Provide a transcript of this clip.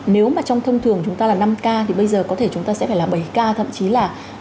nếu mà trong thông thường chúng ta là năm ca thì bây giờ có thể chúng ta sẽ phải là bảy ca thậm chí là